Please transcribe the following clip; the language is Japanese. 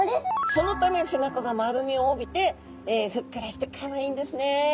そのため背中が丸みを帯びてふっくらしてかわいいんですね。